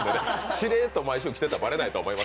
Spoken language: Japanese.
しれっと毎週来てたらバレないと思います。